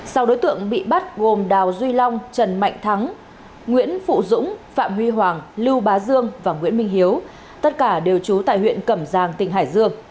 sau đối tượng bị bắt gồm đào duy long trần mạnh thắng nguyễn phụ dũng phạm huy hoàng lưu bá dương và nguyễn minh hiếu tất cả đều trú tại huyện cẩm giang tỉnh hải dương